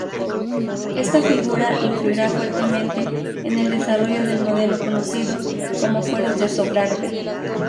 Esta figura influirá fuertemente en el desarrollo del modelo conocido como Fueros de Sobrarbe.